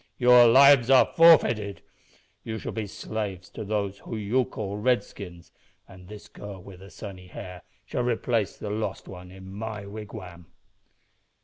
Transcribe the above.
Your lives are forfeited. You shall be slaves to those whom you call Redskins, and this girl with the sunny hair shall replace the lost one in my wigwam."